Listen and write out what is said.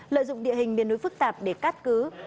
lợi dụng địa hình miền núi phức tạp để cắt cứ